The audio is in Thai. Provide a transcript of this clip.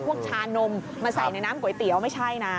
แต่ไม่ได้เอาพวกชานมทำใส่ในน้ำก๋วยเตี๋ยวไม่ใช่นะ